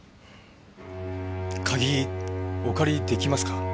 鍵お借り出来ますか？